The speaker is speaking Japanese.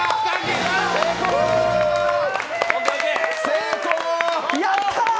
成功！